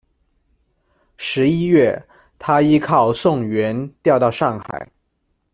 十一月，他依靠宋元调到上海。